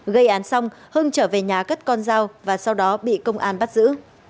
gây án xong hưng trở về nhà cất con dao và sau đó bị công an bắt giữ